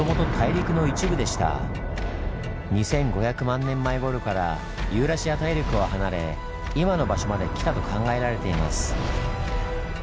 ２，５００万年前ごろからユーラシア大陸を離れ今の場所まで来たと考えられています。